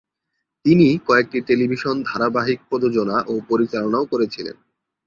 তিনি কয়েকটি টেলিভিশন ধারাবাহিক প্রযোজনা ও পরিচালনাও করেছেিলেন।